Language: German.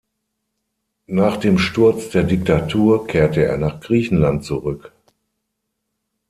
Nach dem Sturz der Diktatur kehrte er nach Griechenland zurück.